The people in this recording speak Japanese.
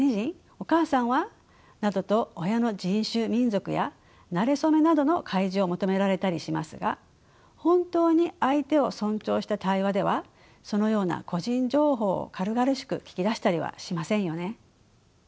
お母さんは？などと親の人種民族やなれ初めなどの開示を求められたりしますが本当に相手を尊重した対話ではそのような個人情報を軽々しく聞き出したりはしませんよね。